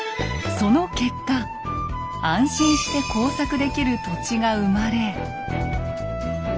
その結果安心して耕作できる土地が生まれ。